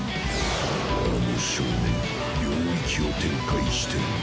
あの少年領域を展開している。